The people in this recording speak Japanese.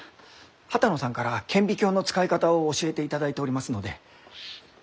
波多野さんから顕微鏡の使い方を教えていただいておりますので。